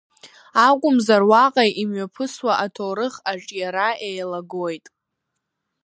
Акәымзар уаҟа имҩаԥысуа аҭоурых аҿиара еилагоит.